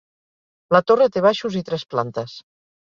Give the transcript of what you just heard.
La torre té baixos i tres plantes.